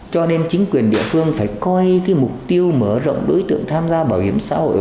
cho nên chính quyền địa phương phải coi cái mục tiêu mở rộng đối tượng tham gia bảo hiểm xã hội